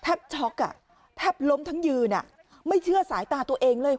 ช็อกอ่ะแทบล้มทั้งยืนไม่เชื่อสายตาตัวเองเลย